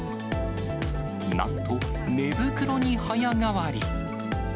なんと、寝袋に早変わり。